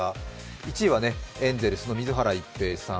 １位はエンゼルスの水原一平さん。